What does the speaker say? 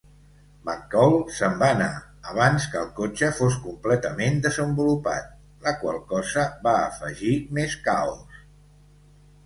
McCall se'n va anar abans que el cotxe fos completament desenvolupat, la qual cosa va afegir més caos.